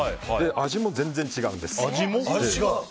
味も全然違うんです。